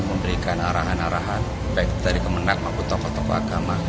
memberikan arahan arahan baik dari kemenang maupun tokoh tokoh agama